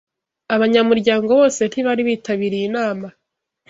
Abanyamuryango bose ntibari bitabiriye inama